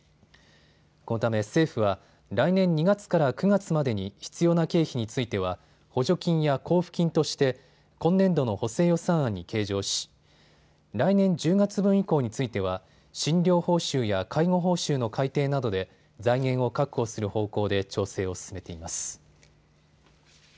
このため政府は来年２月から９月までに必要な経費については補助金や交付金として今年度の補正予算案に計上し来年１０月分以降については診療報酬や介護報酬の改定などで財源を確保する方向で調整を進めています。